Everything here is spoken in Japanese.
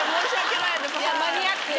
マニアック！